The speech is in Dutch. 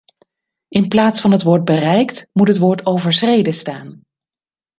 In plaats van het woord bereikt moet het woord overschreden staan.